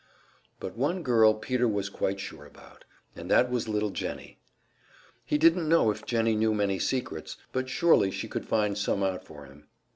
But one girl Peter was quite sure about, and that was little Jennie; he didn't know if Jennie knew many secrets, but surely she could find some out for him.